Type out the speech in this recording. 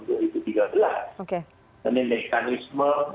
dan ini mekanisme